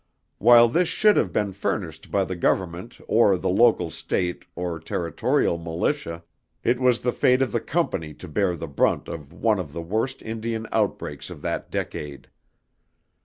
While this should have been furnished by the Government or the local state or territorial militia, it was the fate of the Company to bear the brunt of one of the worst Indian outbreaks of that decade.